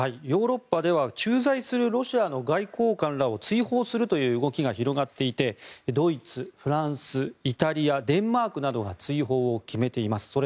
ヨーロッパでは駐在するロシアの外交官らを追放するという動きが広がっていてドイツ、フランスイタリア、デンマークなどが追放を決めています。